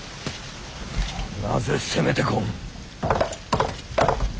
なぜ攻めてこん。